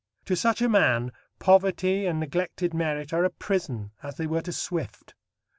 To such a man poverty and neglected merit are a prison, as they were to Swift.